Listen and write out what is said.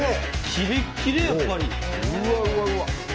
キレッキレやっぱり。